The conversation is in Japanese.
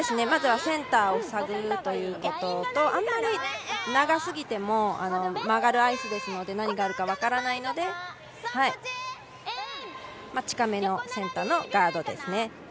まずは、センターを探るということとあんまり長すぎても曲がるアイスですので何があるか分からないので、近めのセンターのガードですね。